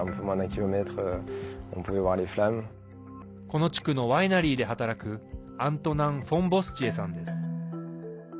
この地区のワイナリーで働くアントナン・フォンボスチエさん。